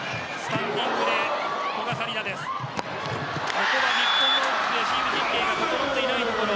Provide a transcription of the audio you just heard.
ここは日本の守備陣形が整っていないところ。